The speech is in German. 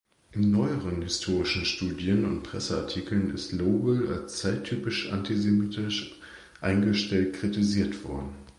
In neueren historischen Studien und Presseartikeln ist Lowell als zeittypisch antisemitisch eingestellt kritisiert worden.